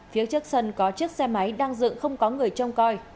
phía trước sân có chiếc xe máy đang dựng không có người trông coi